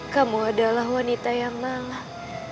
kamu adalah wanita yang lelah